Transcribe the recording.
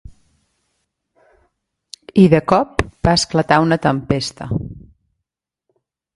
I de cop va esclatar una tempesta.